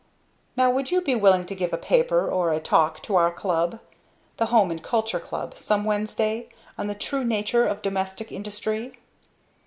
Now would you be willing to give a paper or a talk to our club, the Home and Culture Club, some Wednesday, on The True Nature of Domestic Industry?"